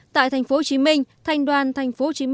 tại tp hcm thanh đoàn tp hcm